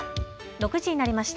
６時になりました。